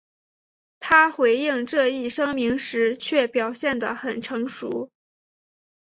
他回应这一声明时却表现得很成熟。